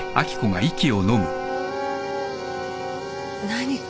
何か？